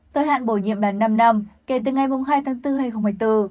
tới hạn bổ nhiệm là năm năm kể từ ngày hai tháng bốn hai nghìn hai mươi bốn